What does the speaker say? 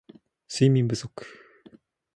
睡眠不足